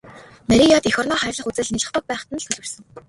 Марияд эх орноо хайрлах үзэл нялх бага байхад нь л төлөвшсөн.